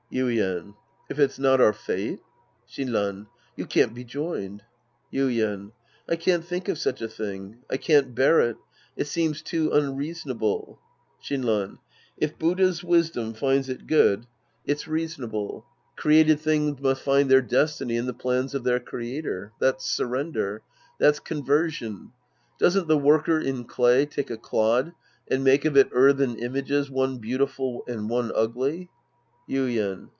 Yiden. If it's not our fate ? Shinran. You can't be joined. Yuien. I can't think of such a thing. I can't bear it. It seems too unreasonable. Shinran. If Buddha's wisdom finds it good, it's 208 The Priest and His Disciples Act V reasonable. Created things must find their destiny in the plans of their creator. That's surrender. That's conversion. Doesn't the worker in clay take a clod and make of it earthen images one beautiful and one ugly ? Yiden.